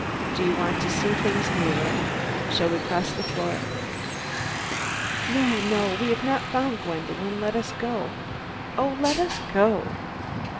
Do you want to see things nearer? Shall we cross the floor?" "No, no. We have not found Gwendolen; let us go. Oh, let us go!"